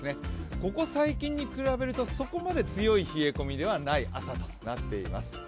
ここ最近に比べるとそこまで強い冷え込みではない朝になっています。